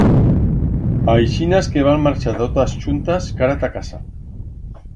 Aixinas que van marchar totas chuntas cara ta casa.